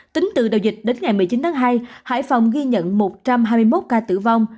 tính từ đầu dịch đến ngày một mươi chín tháng hai hải phòng ghi nhận một trăm hai mươi một ca tử vong